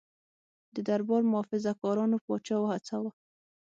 د دربار محافظه کارانو پاچا وهڅاوه.